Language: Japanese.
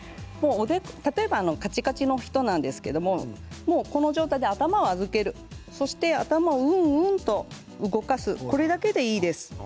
例えばカチカチの人なんですけどこの状態で頭を預けるそして頭を、うんうんと動かすこれだけでいいです。